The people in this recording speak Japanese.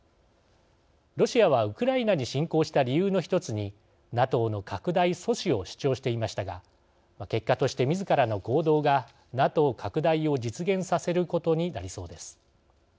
ロシアはウクライナに侵攻した理由の１つにＮＡＴＯの拡大阻止を主張していましたが結果としてみずからの行動がＮＡＴＯ拡大を実現させることになりそうです。